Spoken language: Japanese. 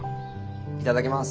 いただきます。